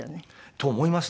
と思います。